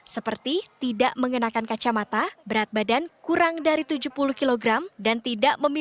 seperti tidak mengenakan kacamata berat badan kurang dari tujuh puluh kilogram